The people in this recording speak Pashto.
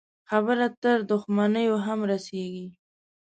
خبره تر دښمنيو هم رسېږي.